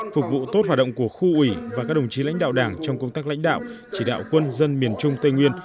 phục vụ tốt hoạt động của khu ủy và các đồng chí lãnh đạo đảng trong công tác lãnh đạo chỉ đạo quân dân miền trung tây nguyên